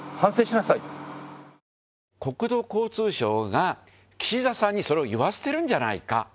馘攜鯆名覆岸田さんにそれを言わせてるんじゃないか。